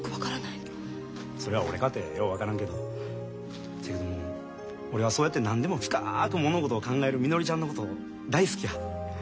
それは俺かてよう分からんけどせやけども俺はそうやって何でも深く物事を考えるみのりちゃんのこと大好きや。